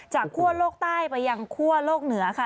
คั่วโลกใต้ไปยังคั่วโลกเหนือค่ะ